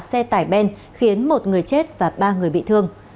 giữa hai xe máy và xe tải ben khiến một người chết và ba người bị thương